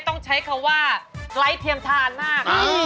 ต้องใช้คำว่าไร้เทียมทานมาก